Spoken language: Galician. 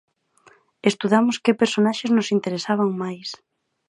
Estudamos que personaxes nos interesaban máis.